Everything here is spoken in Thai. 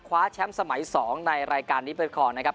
คว้าแชมป์สมัย๒ในรายการนี้ไปครองนะครับ